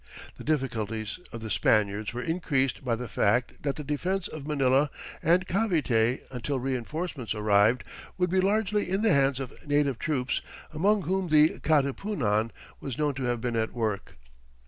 The difficulties, of the Spaniards were increased by the fact that the defense of Manila and Cavite until reinforcements arrived, would be largely in the hands of native troops, among whom the Katipunan was known to have been at work.